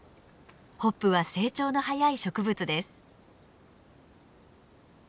ホップは成長の速い植物です。